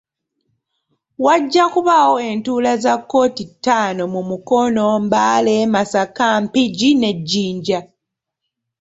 Wajja kubaawo entuula za kkooti ttaano mu Mukono, Mbale, Masaka, Mpigi ne Jinja.